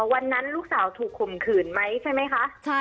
วันนั้นลูกสาวถูกข่มขืนไหมใช่ไหมคะ